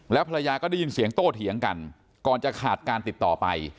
ภรรยาก็ได้ยินเสียงโต้เถียงกันก่อนจะขาดการติดต่อไป